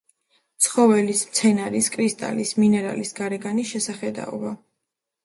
ცხოველის, მცენარის, კრისტალის, მინერალის გარეგანი შესახედაობა.